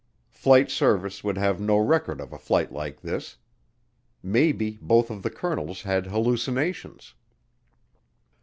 Flight Service would have no record of a flight like this. Maybe both of the colonels had hallucinations.